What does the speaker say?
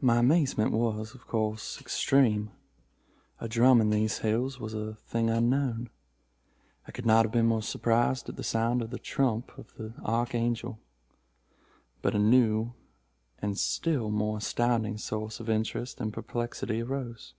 "My amazement was, of course, extreme. A drum in these hills was a thing unknown. I could not have been more surprised at the sound of the trump of the Archangel. But a new and still more astounding source of interest and perplexity arose.